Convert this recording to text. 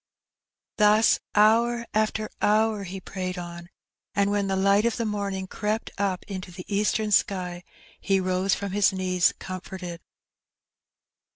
Thus hour after hour he prayed on, and when the light of the morning crept up into the eastern sky, he rose from his knees comforted.